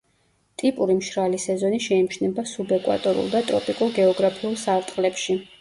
ტიპური მშრალი სეზონი შეიმჩნევა სუბეკვატორულ და ტროპიკულ გეოგრაფიულ სარტყლებში.